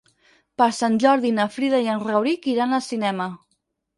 Per Sant Jordi na Frida i en Rauric iran al cinema.